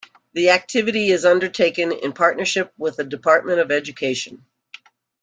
The activity is undertaken in partnership with the Department of Education.